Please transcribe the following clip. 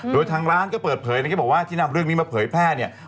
โดยทางร้านก็เปิดเผยนะครับบอกว่าที่นำเรื่องนี้มาเผยแพร่เนี่ย